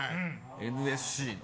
ＮＳＣの。